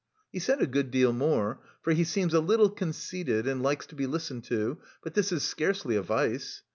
He said a good deal more, for he seems a little conceited and likes to be listened to, but this is scarcely a vice.